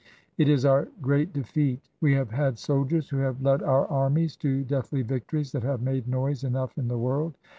It is our Great Defeat. We have had soldiers who have led our armies to deathly victories that have made noise enough in the world.